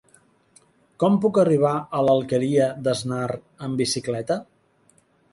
Com puc arribar a l'Alqueria d'Asnar amb bicicleta?